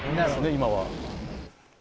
今は。